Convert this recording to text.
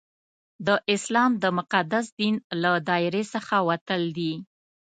د اسلام د مقدس دین له دایرې څخه وتل دي.